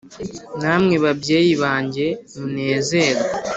Namwe babyeyi bange munezerwe